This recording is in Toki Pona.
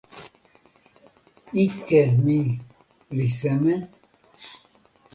ike mi li seme?